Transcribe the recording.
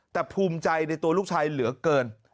แต่ภูมิใจในตัวลูกชายเหลือเกิน